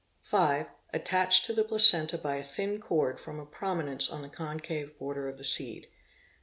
5. Attached to the placenta by ' a thin cord from a prominence on the concave border of the seed.